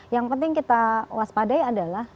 yang penting kita waspadai adalah